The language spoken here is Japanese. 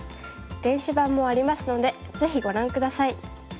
電子版もありますのでぜひご覧下さい。